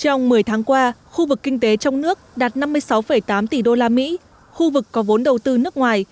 trong một mươi tháng qua khu vực kinh tế trong nước đạt năm mươi sáu tám tỷ usd khu vực có vốn đầu tư nước ngoài